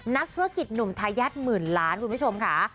นักธุรกิจหนุ่มทายาทหมื่นล้านคุณผู้ชมค่ะ